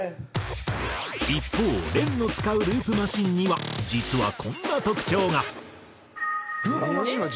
一方ＲｅＮの使うループマシンには実はこんな特徴が。